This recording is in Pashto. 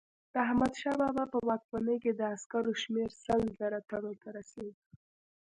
د احمدشاه بابا په واکمنۍ کې د عسکرو شمیر سل زره تنو ته رسېده.